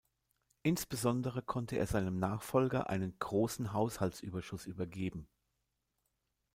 Insbesondere konnte er seinem Nachfolger einen großen Haushaltsüberschuss übergeben.